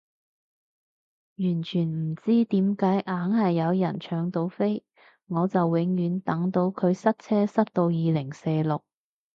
完全唔知點解硬係有人搶到飛，我就永遠等佢塞車塞到二零四六